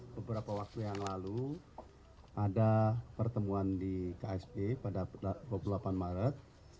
beberapa waktu yang lalu ada pertemuan di ksp pada dua puluh delapan maret